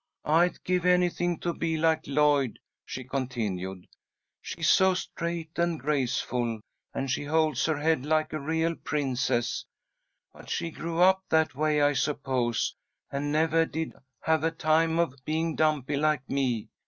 "I'd give anything to be like Lloyd," she continued. "She's so straight and graceful, and she holds her head like a real princess. But she grew up that way, I suppose, and never did have a time of being dumpy like me.